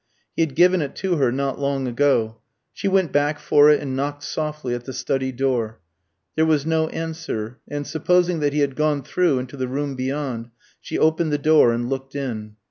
He had given it to her not long ago. She went back for it, and knocked softly at the study door. There was no answer, and supposing that he had gone through into the room beyond, she opened the door and looked in.